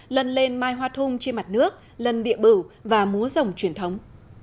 lân lên mai hoa thung trên mặt nước lân địa bửu và múa rồng truyền thống